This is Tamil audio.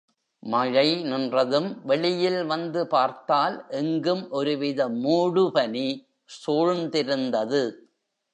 மழை நின்றதும், வெளியில் வந்து பார்த்தால், எங்கும் ஒருவித மூடு பனி சூழ்ந்திருந்தது.